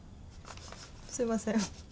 すみません。